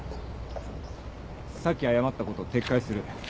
さっき謝ったこと撤回する。